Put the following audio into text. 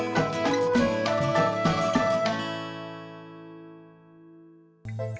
masa kok yuk men muddyinja gw